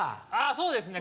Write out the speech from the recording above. そうですね